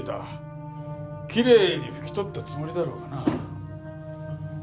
きれいに拭き取ったつもりだろうがな。